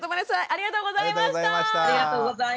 ありがとうございます。